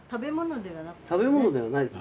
食べ物ではないです。